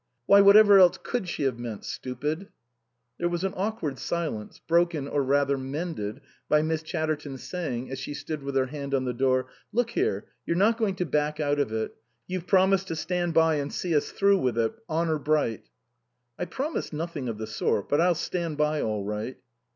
" Why, whatever else could she have meant, stupid ?" There was an awkward silence, broken, or rather mended, by Miss Chatterton saying, as she stood with her hand on the door :" Look here, you're not going to back out of it. You've promised to stand by and see us through with it, honour bright." " I promised nothing of the sort, but I'll stand by all right."